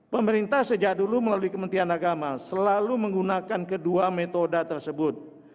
pemerintah sejak dulu melalui kementerian agama selalu menggunakan kedua metode tersebut